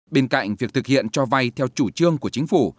bên cạnh việc thực hiện cho vay theo chủ trương của chính phủ